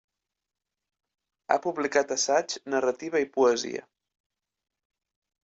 Ha publicat assaig, narrativa i poesia.